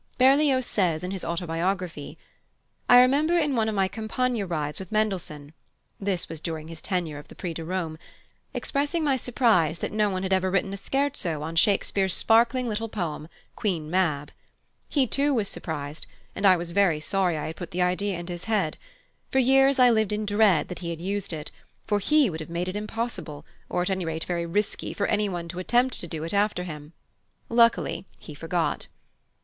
Berlioz says in his autobiography: "I remember in one of my Campagna rides with Mendelssohn (this was during his tenure of the Prix de Rome) expressing my surprise that no one had ever written a scherzo on Shakespeare's sparkling little poem, Queen Mab. He, too, was surprised, and I was very sorry I had put the idea into his head. For years I lived in dread that he had used it: for he would have made it impossible, or at any rate very risky, for anyone to attempt to do it after him. Luckily he forgot."